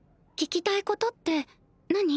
聞きたいことって何？